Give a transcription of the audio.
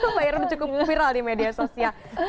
mbak ira udah cukup viral di media sosial